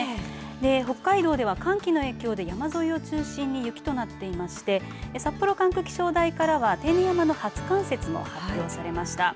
北海道では寒気の影響で山沿いを中心に雪となっていまして札幌管区気象台からは手稲山の初冠雪も発表されました。